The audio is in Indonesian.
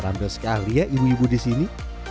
rambel sekali ya ibu ibu disini